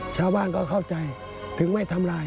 ชาวบ้านก็เข้าใจถึงไม่ทำลาย